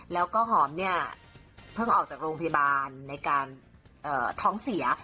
แล้วก็หอมเนี่ยเพิ่งออกจากโรงพยาบาลในการท้องเสีย